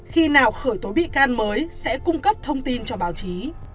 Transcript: khi nào khởi tố bị can mới sẽ cung cấp thông tin cho báo chí